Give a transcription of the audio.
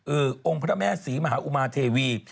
องค์พระแม่ศรีมหาอุมาเทวี